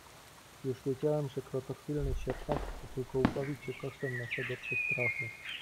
"Już wiedziałem, że krotochwilny sierżant chce tylko ubawić się kosztem naszego przestrachu."